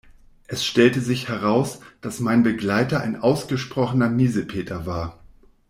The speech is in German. Es stellte sich heraus, dass mein Begleiter ein ausgesprochener Miesepeter war.